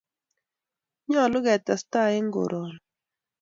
nyoluu ketestai eng koroni